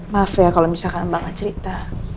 maaf ya kalau misalkan mbak gak cerita